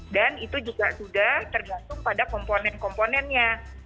dan itu juga sudah tergantung pada komponen komponennya